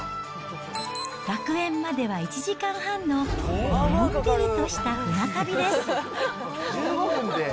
楽園までは１時間半ののんびりとした船旅です。